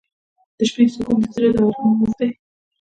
• د شپې سکون د زړه د ارام راز دی.